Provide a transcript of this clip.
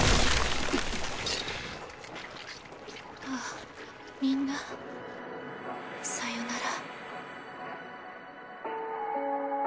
ああみんなさよなら。